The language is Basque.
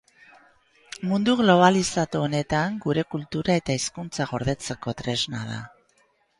Mundu globalizatu honetan gure kultura eta hizkuntza gordetzeko tresna da.